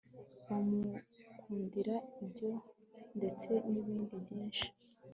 bamukundira ibyo ndetse nibindi byinshi